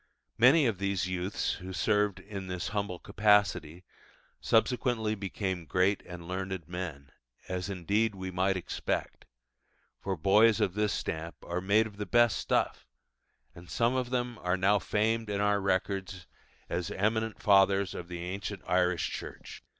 Many of these youths who served in this humble capacity subsequently became great and learned men, as indeed we might expect, for boys of this stamp are made of the best stuff; and some of them are now famed in our records as eminent fathers of the ancient Irish Church.